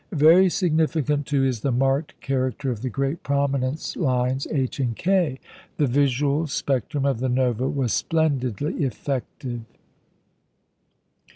Very significant, too, is the marked character of the great prominence lines H and K. The visual spectrum of the Nova was splendidly effective.